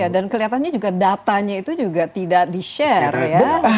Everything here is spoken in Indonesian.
dan kelihatannya datanya itu juga tidak di share ya